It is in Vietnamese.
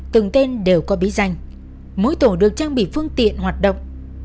từng tên đều có bí danh mỗi tổ được trang bị phương tiện hoạt động